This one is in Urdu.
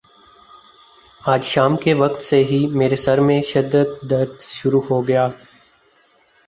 آج شام کے وقت سے ہی میرے سر میں شدد درد شروع ہو گیا